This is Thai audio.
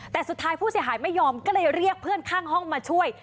แต่สุดท้ายผู้เสียหายไม่ยอมก็เลยเรียกเพื่อนข้างห้องมาช่วย